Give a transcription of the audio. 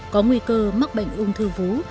có nguy cơ mắc bệnh ung thư vú